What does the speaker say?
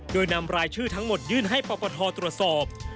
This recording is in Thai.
โดยนำรายชื่อทั้งหมดยื่นให้ปปทตรวจสอบ